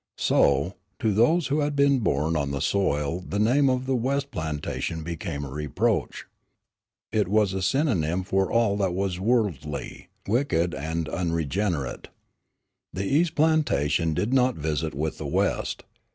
So, to those who had been born on the soil the name of the west plantation became a reproach. It was a synonym for all that was worldly, wicked and unregenerate. The east plantation did not visit with the west.